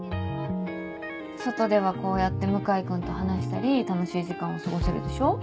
外ではこうやって向井君と話したり楽しい時間を過ごせるでしょ。